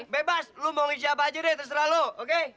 bebas lo mau ngisi apa aja deh terserah lo oke